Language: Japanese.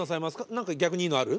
「何か逆にいいのある？」